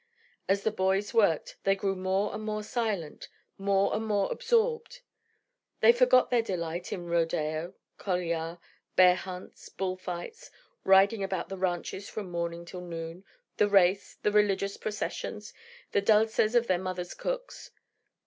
As the boys worked, they grew more and more silent, more and more absorbed. They forgot their delight in rodeo, coliar, bear hunts, bull fights, riding about the ranches from morning till noon, the race, the religious processions, the dulces of their mothers' cooks.